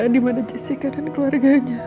dimana jessica dan keluarganya